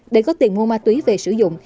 để có tiền mua ma túy về sử dụng